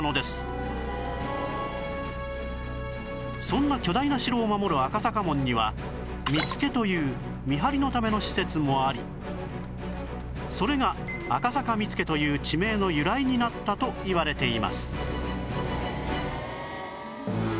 そんな巨大な城を守る赤坂門には見附という見張りのための施設もありそれが赤坂見附という地名の由来になったといわれています